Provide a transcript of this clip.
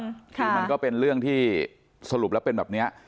คือมันก็เป็นเรื่องที่สรุปแล้วเป็นแบบนี้